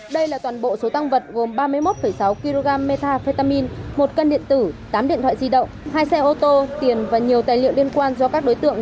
đây là toàn bộ số tăng vật gồm ba mươi một sáu kg metafetamin một cân điện tử tám điện thoại di động hai xe ô tô tiền và nhiều tài liệu liên quan do các đối tượng